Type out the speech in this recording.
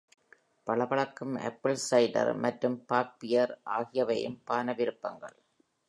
பளபளக்கும் apple cider மற்றும் bock beer ஆகியவையும் பான விருப்பங்கள்.